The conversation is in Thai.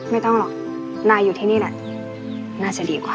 ไม่ต้องหรอกน่าอยู่ที่นี่แหละน่าจะดีกว่า